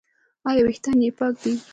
ایا ویښتان یې پاک دي؟